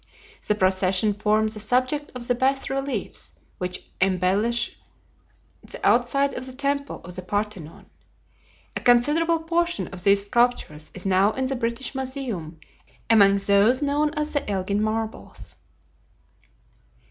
The procession formed the subject of the bas reliefs which embellished the outside of the temple of the Parthenon. A considerable portion of these sculptures is now in the British Museum among those known as the "Elgin marbles."